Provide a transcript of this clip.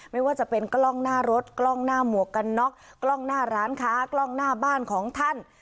ไม่ว่าจะเป็นกล้องหน้ารถกล้องหน้าหมวกกันน็อกกล้องหน้าร้านค้ากล้องหน้าบ้านของท่าน